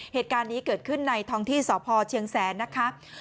เหตุการณ์นี้เกิดขึ้นในท้องที่สพเชียงแสนนะคะ